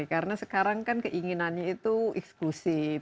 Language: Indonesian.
karena sekarang kan keinginannya itu eksklusif